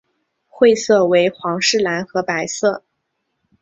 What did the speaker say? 会色为皇室蓝和白色。